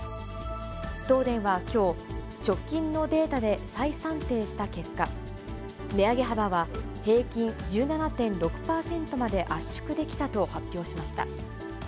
東電はきょう、直近のデータで再算定した結果、値上げ幅は平均１７．６％まで圧縮できたと発表しました。